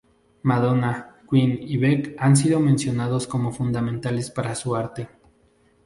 Madonna, Queen y Beck han sido mencionados como fundamentales para su arte.